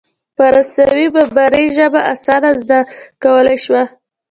فرانسې بربري ژبه اسانه زده کولای شو.